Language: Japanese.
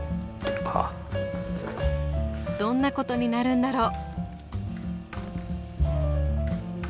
どんなことになるんだろう？